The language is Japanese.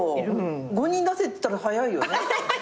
５人出せって言ったら早いよね。